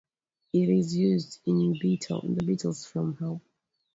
It is used in the Beatles' film Help!